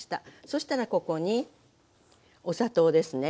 そしたらここにお砂糖ですね。